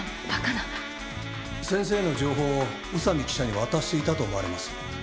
先生の情報を宇佐美記者に渡していたと思われます。